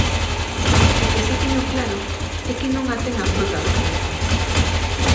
O que si teño claro é que non a ten a frota do cerco.